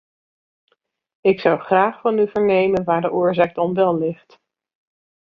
Ik zou graag van u vernemen waar de oorzaak dan wel ligt.